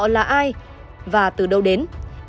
ngay và từ đâu đến